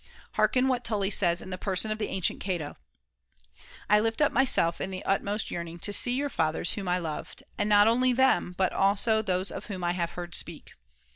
Hearken what Tully says in the person of the ancient Cato :' I uplift myself in the utmost yearning to see your fathers whom I loved ; and not only them, but also those of whom I have heard speak.'